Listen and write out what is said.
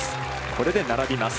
これで並びます。